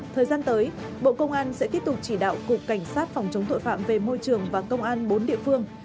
thời gian tới bộ công an sẽ tiếp tục chỉ đạo cục cảnh sát phòng chống tội phạm về môi trường và công an bốn địa phương